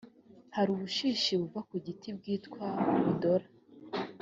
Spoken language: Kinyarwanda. hari ubushishi buva ku giti bwitwa budola